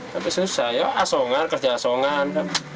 tapi susah ya asongan kerja asongan